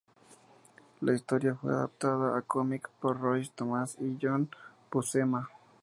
La historia fue adaptada a cómic por Roy Thomas y John Buscema.